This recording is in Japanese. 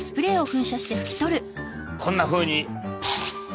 こんなふうに。